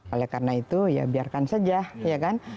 oleh karena itu ya biarkan saja